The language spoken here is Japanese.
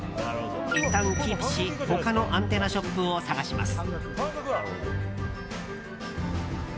いったんキープし他のアンテナショップを探します。